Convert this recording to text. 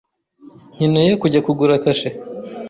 Nkeneye kujya kugura kashe.